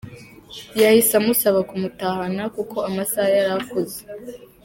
Yahise amusaba kumutahana kuko amasaha yari akuze.